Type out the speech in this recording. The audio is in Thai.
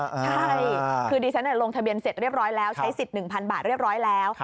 ใช่คือดิฉันลงทะเบียนเสร็จเรียบร้อยแล้วใช้สิทธิ์๑๐๐บาทเรียบร้อยแล้ว